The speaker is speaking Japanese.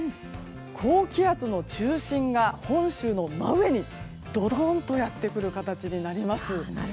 高気圧の中心が本州の真上にドドンとやってくる形になります。